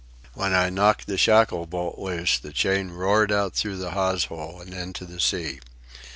When I knocked the shackle bolt loose, the chain roared out through the hawse hole and into the sea.